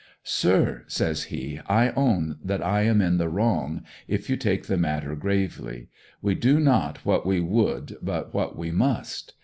'Sir,' says he, 'I own that I am in the wrong, if you take the matter gravely. We do not what we would but what we must.